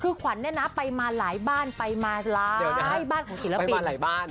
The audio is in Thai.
คือขวัญเนี่ยนะไปมาหลายบ้านไปมาร้ายบ้านของศิลปินหลายบ้าน